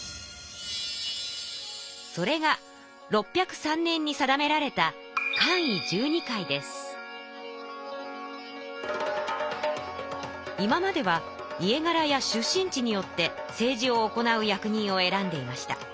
それが６０３年に定められた今までは家柄や出身地によって政治を行う役人を選んでいました。